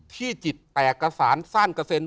จิตแตกกระสานสั้นกระเซ็น